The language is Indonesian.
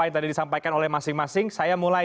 yang tadi disampaikan oleh masing masing saya mulai